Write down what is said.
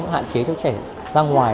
hạn chế cho trẻ ra ngoài